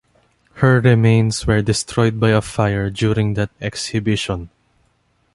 Her remains were destroyed by a fire during that exhibition.